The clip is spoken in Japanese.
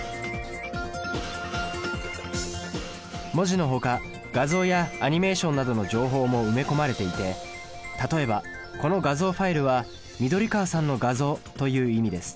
文字のほか画像やアニメーションなどの情報も埋め込まれていて例えばこの画像ファイルは「緑川さんの画像」という意味です。